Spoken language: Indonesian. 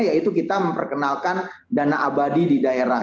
yaitu kita memperkenalkan dana abadi di daerah